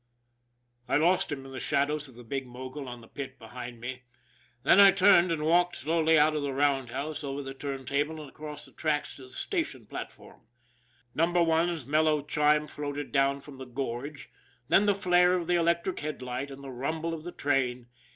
I lost him in the shadows of the big mogul on the pit behind me. Then I turned and walked slowly out of the roundhouse, over the turntable, and across the tracks to the station platform. Number One's mellow chime floated down from the gorge, then the flare of the electric headlight, and the rumble of the train.